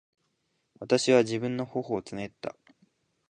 私は自分の頬をつねった。